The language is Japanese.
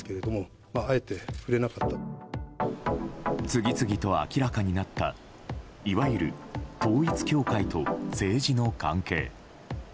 次々と明らかになったいわゆる統一教会と政治の関係。